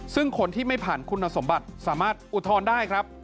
ซึ่งคนที่ไม่ผ่านคุณสมบัติสามารถอุทธรณ์ได้ครับ